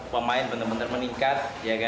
pemain benar benar meningkat